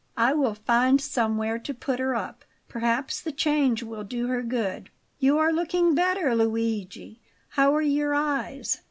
I will find somewhere to put her up; perhaps the change will do her good. You are looking better, Luigi; how are your eyes?"